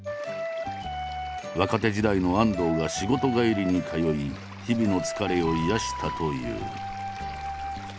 若手時代の安藤が仕事帰りに通い日々の疲れを癒やしたという。